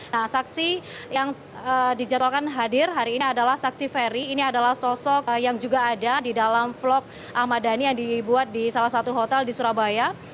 nah saksi yang dijadwalkan hadir hari ini adalah saksi ferry ini adalah sosok yang juga ada di dalam vlog ahmad dhani yang dibuat di salah satu hotel di surabaya